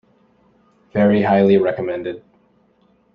Very highly recommended.